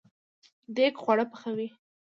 دیګ خواړه پخوي